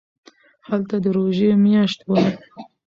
هلته د روژې میاشت وه.